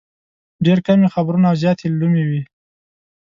ډېر کم یې خبرونه او زیات یې لومې وي.